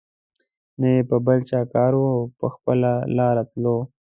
نه یې په بل چا کار وو او په خپله لار تللو.